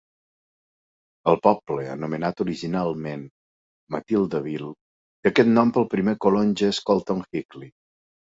El poble, anomenat originalment Matildaville, té aquest nom pel primer colon Jesse Colton Higley.